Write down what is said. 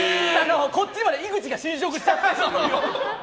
こっちまで井口が浸食しちゃって。